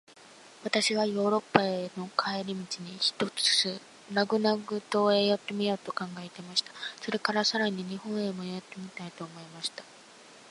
私はヨーロッパへの帰り途に、ひとつラグナグ島へ寄ってみようと考えていました。それから、さらに日本へも寄ってみたいと思いました。